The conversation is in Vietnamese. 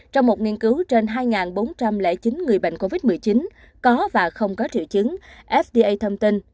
trong một nghiên cứu trên hai bốn trăm linh chín người bệnh covid một mươi chín có và không có triệu chứng fda thông tin